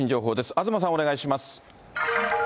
東さん、お願いします。